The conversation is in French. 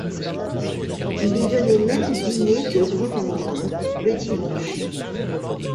Il y venait même dîner de loin en loin, le dimanche.